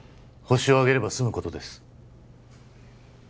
ホシを挙げれば済むことです